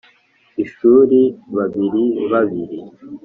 ishuri babiri babiri